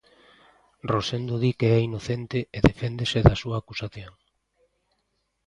Rosendo di que é inocente e deféndese da súa acusación.